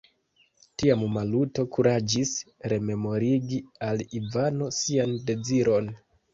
Tiam Maluto kuraĝis rememorigi al Ivano sian deziron.